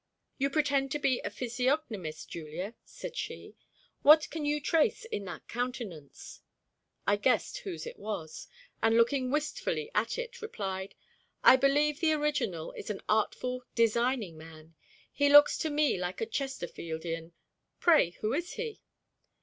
"You pretend to be a physiognomist, Julia," said she. "What can you trace in that countenance?" I guessed whose it was; and looking wistfully at it, replied, "I believe the original is an artful, designing man. He looks to me like a Chesterfieldian. Pray who is he?"